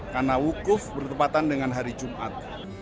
karena wukuf bertepatan dengan hari jumat